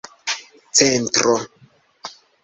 centro